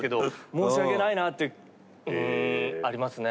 申し訳ないなってありますね。